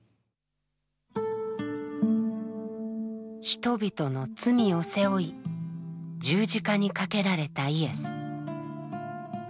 人々の罪を背負い十字架にかけられたイエス。